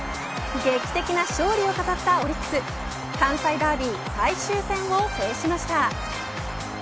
劇的な勝利を飾ったオリックス関西ダービー最終戦を制しました。